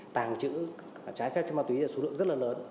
tàng trữ trái phép cho ma túy là số lượng rất là lớn